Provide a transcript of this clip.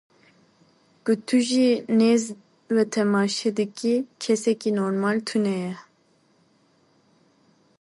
Ku tu ji nêz ve temaşe dikî, kesekî normal tune ye.